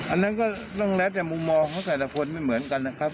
อันนั้นก็ต้องแล้วแต่มุมมองของแต่ละคนไม่เหมือนกันนะครับ